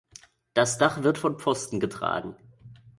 Das Dach wird von Pfosten getragen.